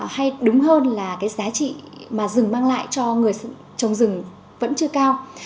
hay đúng hơn là cái giá trị mà rừng mang lại cho người trồng rừng vẫn chưa cao